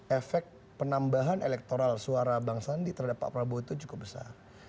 efek penambahan elektoral suara bang sandi terhadap pak prabowo itu cukup besar